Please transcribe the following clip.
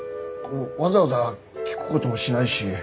わざわざ聞くこともしないし。